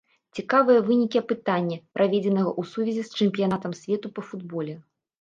Цікавыя вынікі апытання, праведзенага ў сувязі з чэмпіянатам свету па футболе.